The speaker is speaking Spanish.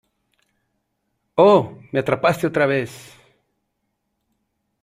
¡ Oh! Me atrapaste otra vez.